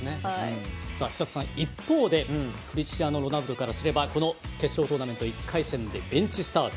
寿人さん、一方でクリスチアーノ・ロナウドからすればこの決勝トーナメント１回戦でベンチスタート。